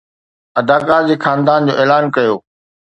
اداڪار جي خاندان جو اعلان ڪيو